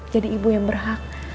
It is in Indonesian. jadi ibu yang berhak